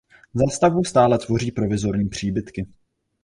Zástavbu stále tvoří provizorní příbytky.